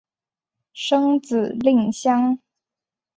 生子令香。